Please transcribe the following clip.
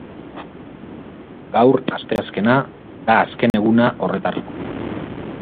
Gaur, asteazkena, da azken eguna horretarako.